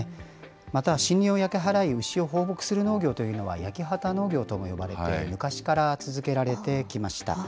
また森林を焼き払い牛を放牧する農業というのは焼き畑農業とも呼ばれて昔から続けられてきました。